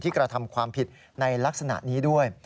กระทำความผิดในลักษณะนี้ด้วย